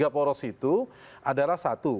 tiga poros itu adalah satu